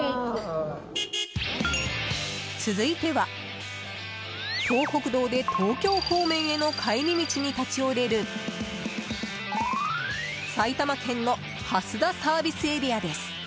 続いては、東北道で東京方面への帰り道に立ち寄れる埼玉県の蓮田ＳＡです。